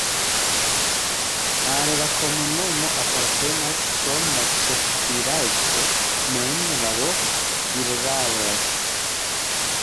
Al la komunumo apartenas krom la ĉefvilaĝo mem la loko Villars.